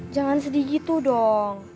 jangan sedih gitu dong